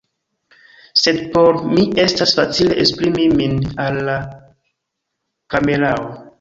sed por mi estas facile esprimi min al la kamerao